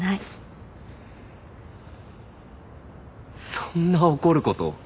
そんな怒ること？